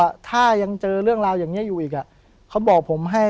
ว่าถ้ายังเจอเรื่องราวอย่างนี้อยู่อีกอ่ะเขาบอกผมให้